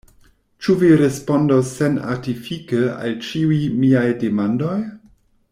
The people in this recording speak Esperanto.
Ĉu vi respondos senartifike al ĉiuj miaj demandoj?